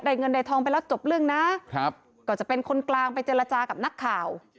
เงินได้ทองไปแล้วจบเรื่องนะครับก็จะเป็นคนกลางไปเจรจากับนักข่าว